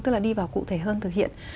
tức là đi vào cụ thể hơn thực hiện